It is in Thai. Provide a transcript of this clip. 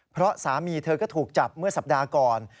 เพราะสามีเธอก็ถูกจับเมื่อสัปดาห์ก่อน